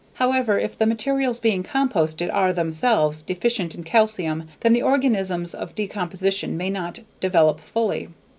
However, if the materials being composted are themselves deficient in calcium then the organisms of decomposition may not develop fully.